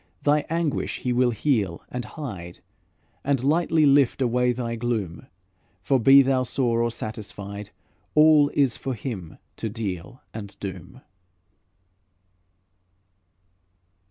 Thy anguish He will heal and hide, And lightly lift away thy gloom; For, be thou sore or satisfied, All is for Him to deal and doom."